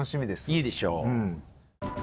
いいでしょう。